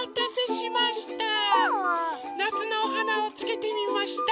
なつのおはなをつけてみました。